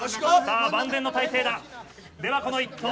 万全の態勢だ。